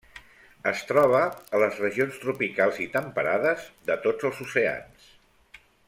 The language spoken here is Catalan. Es troba a les regions tropicals i temperades de tots els oceans.